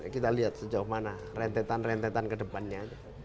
kita lihat sejauh mana rentetan rentetan ke depannya